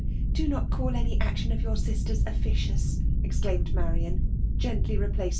do not call any action of your sister' s cAciouB r* exelaimed Marian^ g^sntly rqplaci!